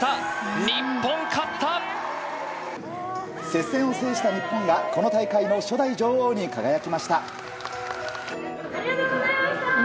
接戦を制した日本がこの大会の初代女王に輝きました。